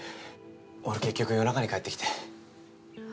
俺結局夜中に帰ってきて。